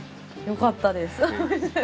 よかったです。